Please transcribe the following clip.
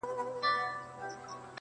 • دا صفت مي په صفاتو کي د باز دی,